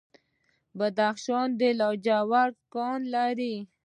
بدخشان د لاجوردو کان لري